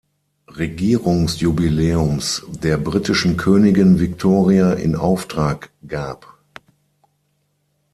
Regierungsjubiläums der britischen Königin Victoria in Auftrag gab.